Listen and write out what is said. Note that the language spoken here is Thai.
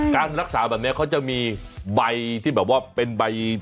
การรักษาแบบนี้เขาจะมีใบที่แบบว่าเป็นใบ